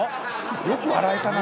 よく笑えたな。